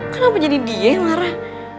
kenapa jadi die yang marah